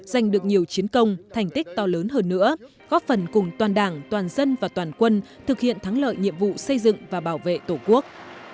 giành được nhiều chiến công thành tích to lớn hơn nữa góp phần cùng toàn đảng toàn dân và toàn quân thực hiện thắng lợi nhiệm vụ xây dựng và bảo vệ tổ quốc